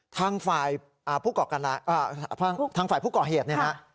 ทางฝ่ายผู้เกาะเหตุเนี่ยฮะ